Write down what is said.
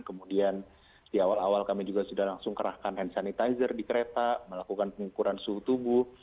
kemudian di awal awal kami juga sudah langsung kerahkan hand sanitizer di kereta melakukan pengukuran suhu tubuh